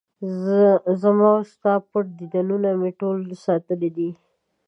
زما وستا پټ دیدنونه مې ټول ساتلي دي